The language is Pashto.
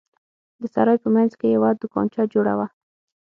د سراى په منځ کښې يوه دوکانچه جوړه وه.